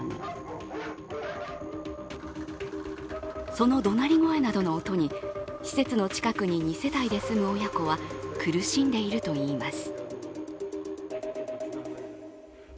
そのどなり声などの音に施設近くに２世帯で住む親子は苦しんでいるといいます。